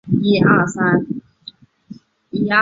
这型号的巴士同样售予非洲。